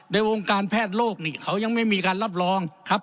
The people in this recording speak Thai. ในวงการแพทย์โลกนี่เขายังไม่มีการรับรองครับ